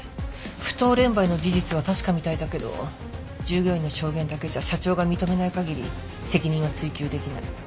不当廉売の事実は確かみたいだけど従業員の証言だけじゃ社長が認めない限り責任は追及できない。